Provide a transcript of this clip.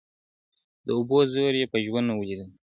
د اوبو زور یې په ژوند نه وو لیدلی!!